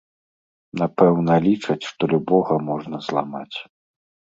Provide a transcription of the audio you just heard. Напэўна, лічаць, што любога можна зламаць.